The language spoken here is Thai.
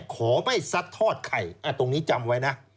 ขอไม่ซัดทอดใครตรงนี้จำไว้นะ